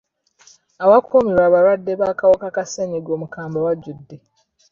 Awakumirwa abalwadde b'akawuka ka ssenyigga omukambwe wajudde.